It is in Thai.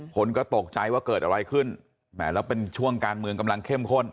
คนก็ตกใจว่าเกิดอะไรขึ้นแหมแล้วเป็นช่วงการเมืองกำลังเข้มข้น